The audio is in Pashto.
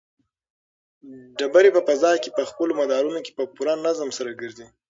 ډبرې په فضا کې په خپلو مدارونو کې په پوره نظم سره ګرځي.